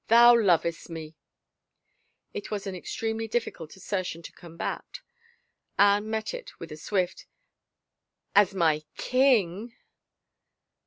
" Thou lovest me !" It was an extremely difficult assertion to combat. Anne met it with a swift, "As my king!"